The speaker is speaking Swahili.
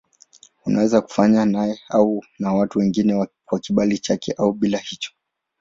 Unaweza kufanywa naye au na watu wengine kwa kibali chake au bila ya hicho.